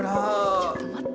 ちょっと待って。